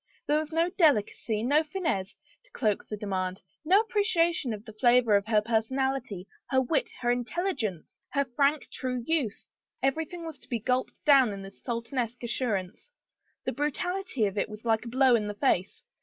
There was no delicacy, no finesse, to cloak the demand, no appreciation of the flavor of her personality, her wit, her intelligence, her frank, true youth; every thing was to be gulped down in this Sultanesque assur ance. The brutality of it was like a blow in the face.